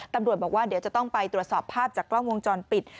ตำรวจบอกว่าเดี๋ยวจะต้องไปตรวจสอบภาพจากกล้องวงจรปิด